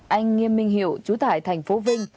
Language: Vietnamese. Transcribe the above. anh nghiêm minh hiệu chú tải thành phố vinh